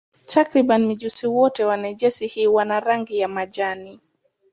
Takriban mijusi wote wa jenasi hii wana rangi ya majani.